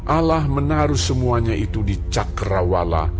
alah menaruh semuanya itu di cakrawala